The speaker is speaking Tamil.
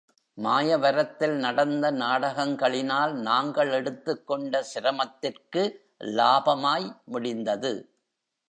மாயவரத்தில் நடந்த நாடகங்களினால், நாங்கள் எடுத்துக் கொண்ட சிரமத்திற்கு லாபமாய் முடிந்தது.